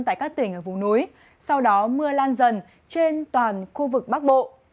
tại các tỉnh ở vùng núi sau đó mưa lan dần trên toàn khu vực bắc bộ